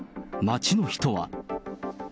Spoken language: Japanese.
街の人は。